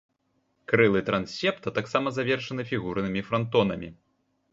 Крылы трансепта таксама завершаны фігурнымі франтонамі.